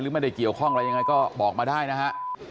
ไม่ได้เกี่ยวข้องอะไรยังไงก็บอกมาได้นะฮะ